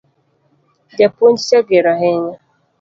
Japuonj cha ger ahinya